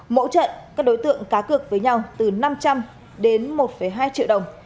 mỗi trận các đối tượng cá cược với nhau từ năm trăm linh đến một hai triệu đồng